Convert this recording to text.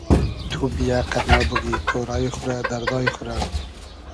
تو بییۂ قئد مۂ بوگی تۉرای خو رۂ دئردای خو رۂ